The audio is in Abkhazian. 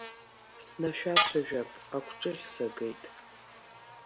Снашәацәажәап, агәҿыӷь сагеит.